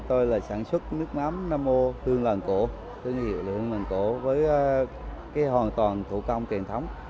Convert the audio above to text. tên tôi là sản xuất nước mắm nam mô tương làng cổ tương hiệu lượng làng cổ với cái hoàn toàn thủ công truyền thống